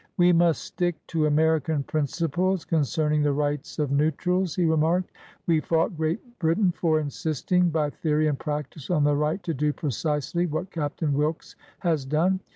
"We must stick to American principles con cerning the rights of neutrals," he remarked. "We fought Great Britain for insisting by theory and practice on the right to do precisely what Captain Wilkes has done.